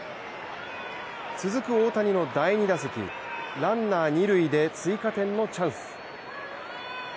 続く大谷の第２打席ランナー二塁で追加点のチャンス。